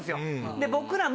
で僕らも。